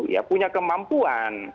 ya punya kemampuan